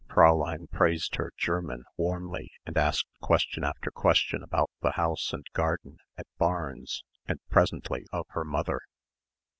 Fräulein praised her German warmly and asked question after question about the house and garden at Barnes and presently of her mother.